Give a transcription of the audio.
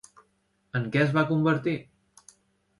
En què es va convertir?